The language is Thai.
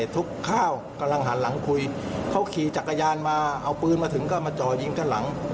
ทุกข้าวกำลังหันหลังคุยเขาขี่จักรยานมาเอาปืนมาถึงก็มาจ่อยิงข้างหลัง